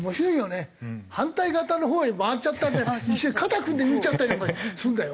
反対方のほうへ回っちゃったり一緒に肩組んで見ちゃったりなんかするんだよ。